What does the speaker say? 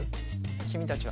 君たちは。